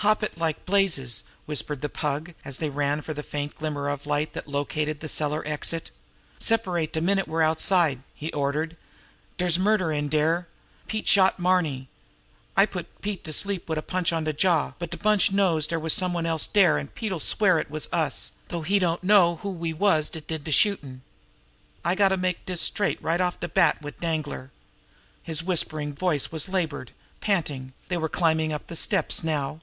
"Hop it like blazes!" whispered the Pug, as they ran for the faint glimmer of light that located the cellar exit. "Separate de minute we're outside!" he ordered. "Dere's murder in dere. Pete shot Marny. I put Pete to sleep wid a punch on de jaw; but de bunch knows now some one else was dere, an' Pete'll swear it was us, though he don't know who we was dat did de shootin'. I gotta make dis straight right off de bat wid Danglar." His whispering voice was labored, panting; they were climbing up the steps now.